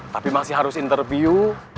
tapi masih harus interview